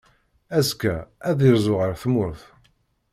Azekka, ad irzu ɣer tmurt.